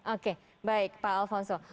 oke baik pak alfonso